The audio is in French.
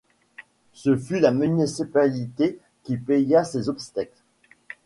Ce fut la municipalité qui paya ses obsèques.